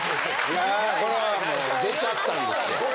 いやこれはもう出ちゃったんですよ。